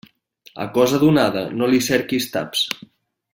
A cosa donada no li cerquis taps.